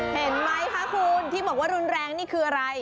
เห็นไหมคะคุณที่บอกว่ารุนแรงนี่คืออะไร